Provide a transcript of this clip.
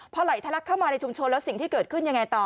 พอไหลทะลักเข้ามาในชุมชนแล้วสิ่งที่เกิดขึ้นยังไงต่อ